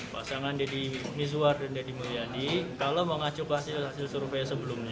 pasangan deddy miswar dan deddy mulyadi kalau mengacu hasil hasil survei sebelumnya